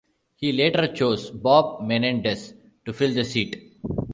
He later chose Bob Menendez to fill the seat.